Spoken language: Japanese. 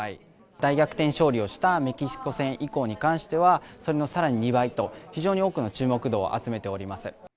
大逆転勝利をしたメキシコ戦以降に関しては、それのさらに２倍と、非常に多くの注目度を集めております。